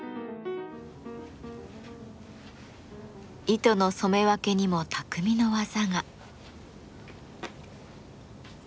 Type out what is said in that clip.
糸の染め分けにも匠の技が。